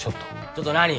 ちょっと何？